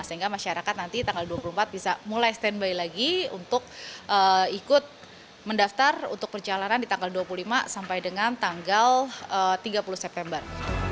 sehingga masyarakat nanti tanggal dua puluh empat bisa mulai standby lagi untuk ikut mendaftar untuk perjalanan di tanggal dua puluh lima sampai dengan tanggal tiga puluh september